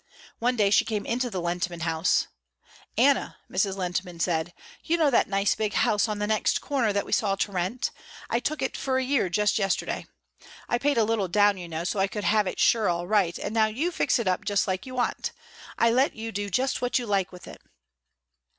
One day she came into the Lehntman house. "Anna," Mrs. Lehntman said, "you know that nice big house on the next corner that we saw to rent. I took it for a year just yesterday. I paid a little down you know so I could have it sure all right and now you fix it up just like you want. I let you do just what you like with it."